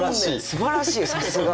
すばらしいさすが。